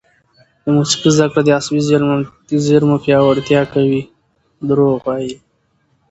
د موسیقي زده کړه د عصبي زېرمو پیاوړتیا کوي.